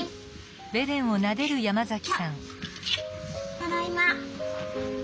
ただいま。